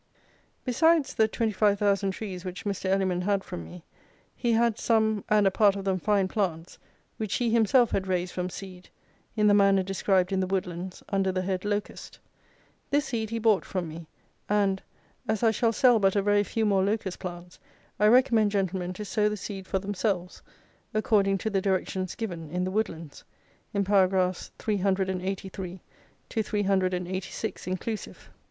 Besides the 25,000 trees which Mr. Elliman had from me, he had some (and a part of them fine plants) which he himself had raised from seed, in the manner described in The Woodlands under the head "Locust." This seed he bought from me; and, as I shall sell but a very few more locust plants, I recommend gentlemen to sow the seed for themselves, according to the directions given in The Woodlands, in paragraphs 383 to 386 inclusive.